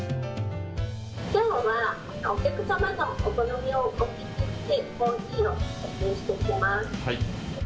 きょうはお客様のお好みをお聞きして、コーヒーをおいれしていきます。